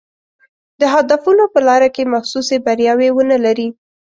د هدفونو په لاره کې محسوسې بریاوې ونه لري.